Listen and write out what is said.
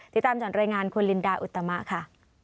ติดตามจากรายงานคุณลินดาอุตมะค่ะ